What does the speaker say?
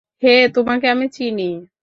হে তোমাকে আমি চিনি।